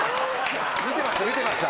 見てました